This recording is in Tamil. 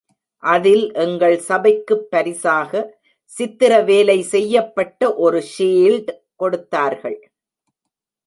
அதில் எங்கள் சபைக்குப் பரிசாக சித்திர வேலை செய்யப்பட்ட ஒரு ஷீல்ட் கொடுத்தார்கள்.